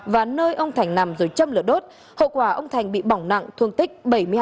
và nơi ông thành nằm rồi châm lửa đốt hậu quả ông thành bị bỏng nặng thương tích bảy mươi hai